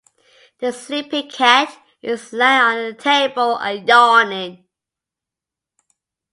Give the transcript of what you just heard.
The sleepy cat is lying on the table and yawning.